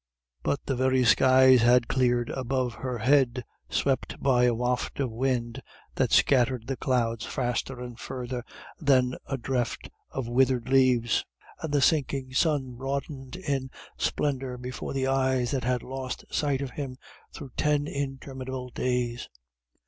But the very skies had cleared above her head, swept by a waft of wind that scattered the clouds faster and further than a drift of withered leaves, and the sinking sun broadened in splendour before the eyes that had lost sight of him through ten interminable days.